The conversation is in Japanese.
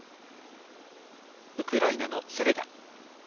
ウクライナのセレダ。